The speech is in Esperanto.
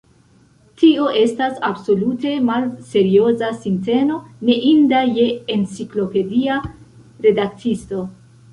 Tio estas absolute malserioza sinteno, neinda je enciklopedia redaktisto.